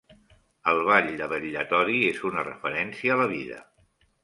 El ball de vetllatori és una referència a la vida.